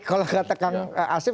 kalau kata kang asyif